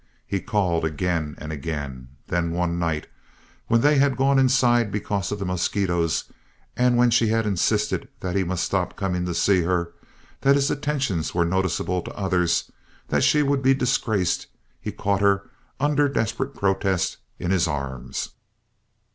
He called again and again. Then one night, when they had gone inside because of the mosquitoes, and when she had insisted that he must stop coming to see her, that his attentions were noticeable to others, and that she would be disgraced, he caught her, under desperate protest, in his arms.